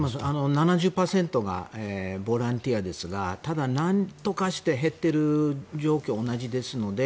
７０％がボランティアですがただ、なんとかして減っている状況同じですので。